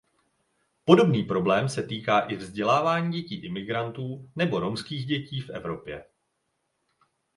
Podobný problém se týká i vzdělávání dětí imigrantů nebo romských dětí v Evropě.